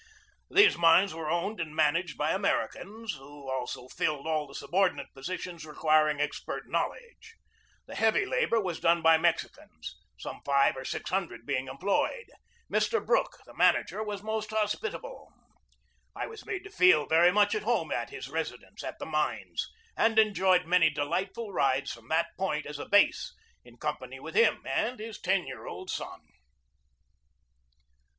These mines were owned and managed by Americans, who also filled all the subordinate positions requiring expert knowledge. The heavy labor was done by Mexicans, some five or six hun dred being employed. Mr. Brook, the manager, was most hospitable. I was made to feel very much at home at his residence at the mines, and enjoyed many delightful rides from that point as a base, in company with him and his ten year old son.